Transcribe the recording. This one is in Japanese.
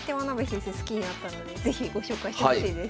好きになったので是非ご紹介してほしいです。